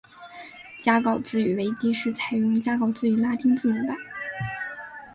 加告兹语维基是采用加告兹语拉丁字母版。